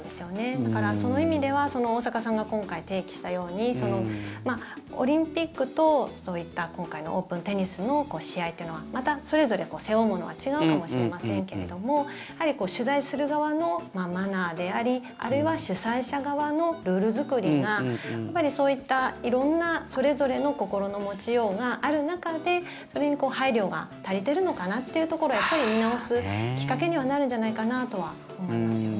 だからその意味では大坂さんが今回提起したようにオリンピックとそういった今回のオープンテニスの試合というのはまたそれぞれ背負うものが違うかもしれませんけれども取材する側のマナーでありあるいは主催者側のルール作りがそういった色んなそれぞれの心の持ちようがある中でそれに配慮が足りているのかなというところを見直すきっかけにはなるんじゃないかとは思いますよね。